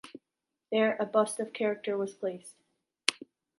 Their a bust of the character was placed.